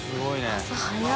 朝早い。